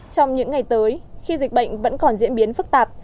trong những ngày tới khi dịch bệnh vẫn còn diễn biến phức tạp